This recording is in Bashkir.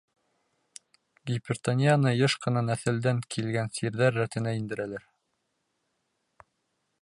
Гипертонияны йыш ҡына нәҫелдән килгән сирҙәр рәтенә индерәләр.